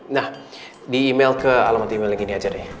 nah di email ke alamat email gini aja deh